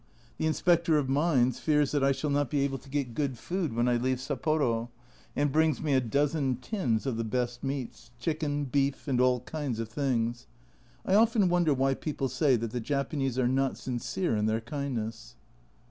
The Inspector of Mines "fears I shall not be able to get good food when I leave Sapporo " and brings me a dozen tins of the best meats ! chicken, beef, and all kinds of things. I often wonder why people say that the Japanese are not sincere in their kindness.